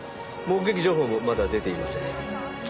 目撃情報もまだ出ていません。